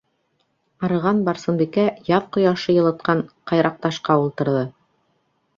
Арыған Барсынбикә яҙ ҡояшы йылытҡан ҡайраҡташҡа ултырҙы.